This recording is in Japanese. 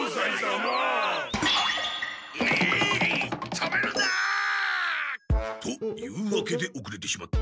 止めるな！というわけでおくれてしまった。